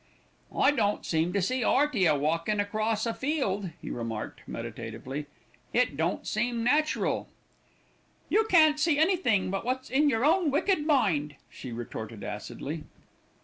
"I don't seem to see 'Earty a walkin' across a field," he remarked meditatively. "It don't seem natural." "You can't see anything but what's in your own wicked mind," she retorted acidly.